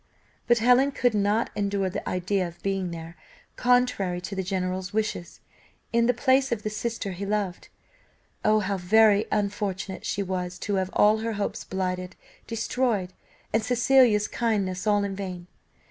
But Helen could not endure the idea of being there, contrary to the general's wishes, in the place of the sister he loved. Oh, how very, very unfortunate she was to have all her hopes blighted, destroyed and Cecilia's kindness all in vain.